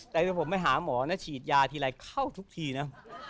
แต่ถ้าผมไปหาหมอนะฉีดยาทีไรเข้าทุกทีนะ